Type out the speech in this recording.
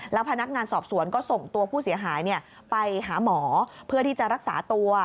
แล้วพนักงานสอบสวนก็ส่งตัวผู้เสียหายไปหาหมอเพื่อที่จะรักษาตัว